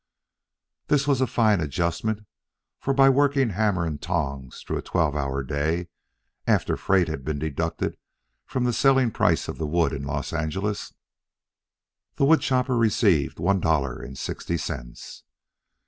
This was a fine adjustment, for by working hammer and tongs through a twelve hour day, after freight had been deducted from the selling price of the wood in Los Angeles, the wood chopper received one dollar and sixty cents.